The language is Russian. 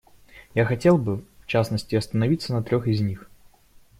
Я хотел бы, в частности, остановиться на трех из них.